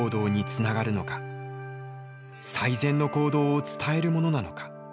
最善の行動を伝えるものなのか。